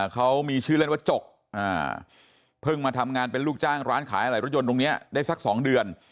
เขามีชื่อเล่นว่าจกเพิ่งมาทำงานเป็นลูกจ้างร้านขายอะไรรถยนต์ตรงนี้ได้สัก๒เดือน